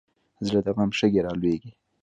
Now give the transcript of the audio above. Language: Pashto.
زړه د غم شګې رالوېږي.